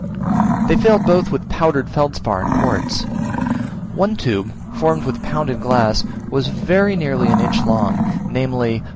They failed both with powdered felspar and quartz. One tube, formed with pounded glass, was very nearly an inch long, namely